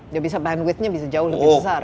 dia bisa bandwidthnya bisa jauh lebih besar